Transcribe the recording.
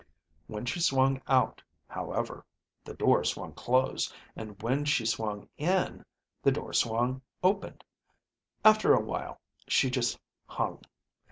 When she swung out, however, the door swung closed; and when she swung in, the door swung opened. After a while, she just hung.